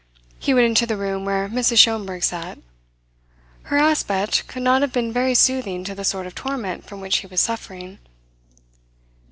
He went into the room where Mrs. Schomberg sat. Her aspect could not have been very soothing to the sort of torment from which he was suffering.